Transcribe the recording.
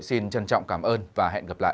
xin trân trọng cảm ơn và hẹn gặp lại